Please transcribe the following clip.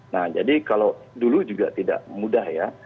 nah jadi kalau dulu juga tidak mudah ya